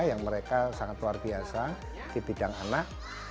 yang mereka sangat luar biasa di bidang anak